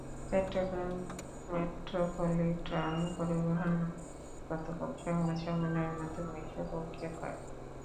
Chittagong metropolitan পরিবহন মালিক group গতকাল সংবাদ সম্মেলনের মাধ্যমে এসব অভিযোগ করে।